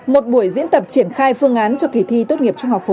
một buổi diễn tập triển khai phương án